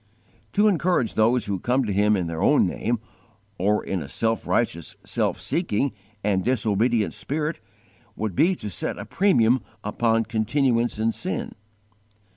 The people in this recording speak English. To encourage those who come to Him in their own name, or in a self righteous, self seeking, and disobedient spirit, would be to set a premium upon continuance in sin.